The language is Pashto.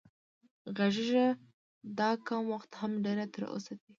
غږېږه دا کم وخت هم ډېر تر اوسه دی